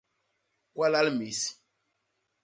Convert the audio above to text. Kwalal mis.